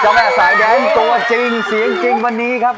แม่สายแดนตัวจริงเสียงจริงวันนี้ครับ